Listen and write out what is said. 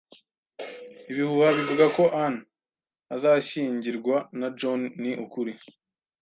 Ibihuha bivuga ko Anne azashyingirwa na John ni ukuri?